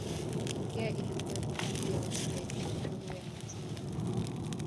Pia ilikuwepo kambi ya wapigania uhuru ya Mazimbu